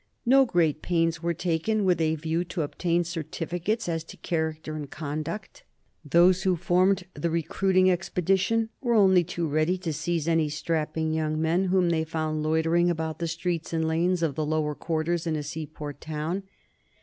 No great pains were taken with a view to obtain certificates as to character and conduct. Those who formed the recruiting expedition were only too ready to seize any strapping young men whom they found loitering about the streets and lanes of the lower quarters in a seaport town.